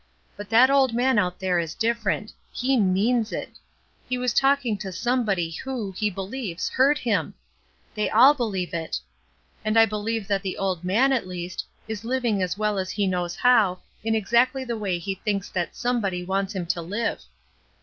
But that old man out there is different; he means it. He was talking to Somebody who, he believes, heard him! they all beUeve it. And I beUeve that the old man, at least, is liv ing as well as he knows how, in exactly the way he thinks that Somebody wants him to live.